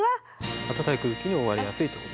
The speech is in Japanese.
暖かい空気に覆われやすいということですね。